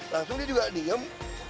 langsung dia juga diem